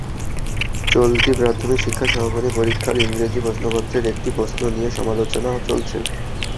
চলতি প্রাথমিক শিক্ষা সমাপনী পরীক্ষার ইংরেজি প্রশ্নপত্রের একটি প্রশ্ন নিয়ে সমালোচনা চলছে।